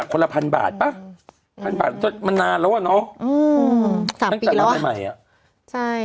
ก็แต่มาใหม่